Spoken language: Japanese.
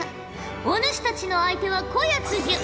お主たちの相手はこやつじゃ！